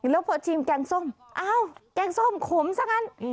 แล้วพอชิมแกงส้มอ้าวแกงส้มขมซะงั้น